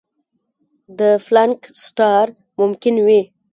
د پلانک سټار ممکن وي.